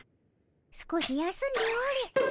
少し休んでおれ。